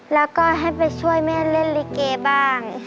แล้วก็ให้ไปช่วยแม่เล่นลิเกบ้าง